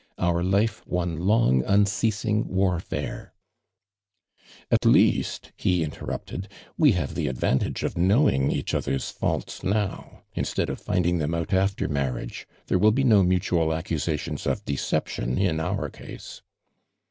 " 'Jur life one long unceasing war fare "" At least," he interrupted, "we havo the advantage of knowing eacii other's faults now, instead of lin<ling thorn out after mairiage. Tiiere will be no mutual accusa tions of dect'ption in our ease."